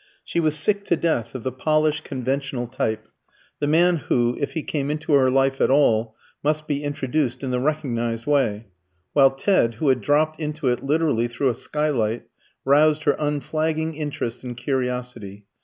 She was sick to death of the polished conventional type the man who, if he came into her life at all, must be introduced in the recognised way; while Ted, who had dropped into it literally through a skylight, roused her unflagging interest and curiosity.